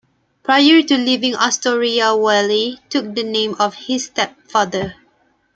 Prior to leaving Astoria Wally took the name of his stepfather.